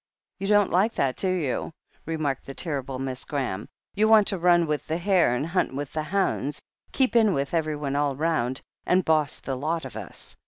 "You don't like that, do you ?" remarked the terrible Miss Graham. "You want to run with the hare and hunt with' the hounds — ^keep in with everyone all round, and boss the lot of us.